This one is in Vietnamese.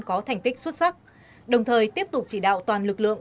có thành tích xuất sắc đồng thời tiếp tục chỉ đạo toàn lực lượng